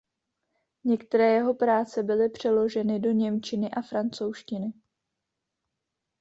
Některé jeho práce byly přeloženy do němčiny a francouzštiny.